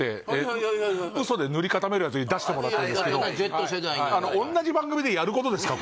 はいはいはいウソで塗り固めるやつに出してもらったんですけどＺ世代に同じ番組でやることですか？